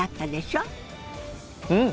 うん！